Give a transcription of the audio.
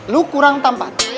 lu kurang tampan